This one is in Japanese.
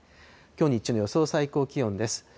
きょう日中の予想最高気温です。